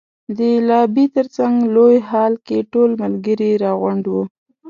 د لابي تر څنګ لوی هال کې ټول ملګري را غونډ وو.